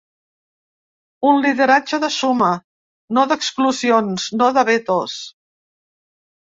Un lideratge de suma, no d’exclusions, no de vetos.